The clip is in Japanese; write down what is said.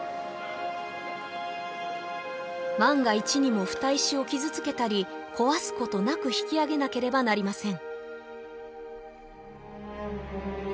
万が一にも蓋石を傷つけたり壊すことなく引き上げなければなりません